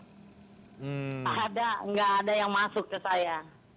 tidak ada nggak ada yang masuk ke saya